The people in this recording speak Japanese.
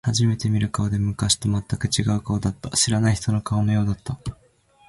初めて見る顔で、昔と全く違う顔だった。知らない人の顔のようだった。